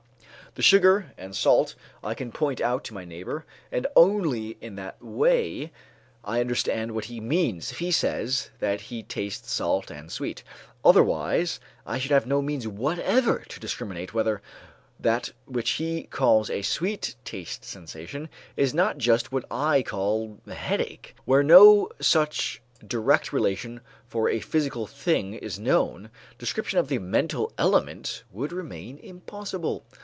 The sugar and salt I can point out to my neighbor and only in that way I understand what he means if he says that he tastes salt and sweet; otherwise I should have no means whatever to discriminate whether that which he calls a sweet taste sensation is not just what I call headache. Where no such direct relation for a physical thing is known, description of the mental element would remain impossible.